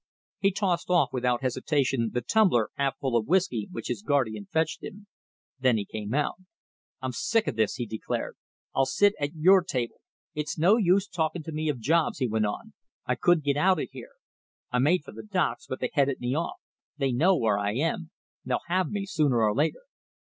He tossed off without hesitation the tumbler half full of whisky which his guardian fetched him. Then he came out. "I'm sick of this," he declared. "I'll sit at your table. It's no use talking to me of jobs," he went on. "I couldn't get out of here. I made for the docks, but they headed me off. They know where I am. They'll have me sooner or later."